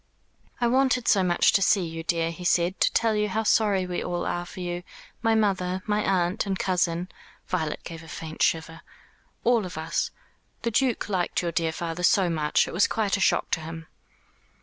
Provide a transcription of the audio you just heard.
"I wanted so much to see you, dear," he said, "to tell you how sorry we all are for you my mother, my aunt, and cousin" Violet gave a faint shiver "all of us. The Duke liked your dear father so much. It was quite a shock to him."